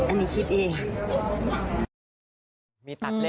อันนี้คิดเอง